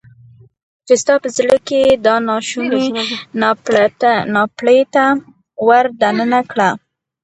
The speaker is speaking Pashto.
چې ستا په زړه کې يې دا ناشونی ناپړیته ور دننه کړه.